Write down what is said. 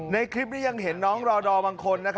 ในคลิปนี้ยังเห็นน้องรอดอบางคน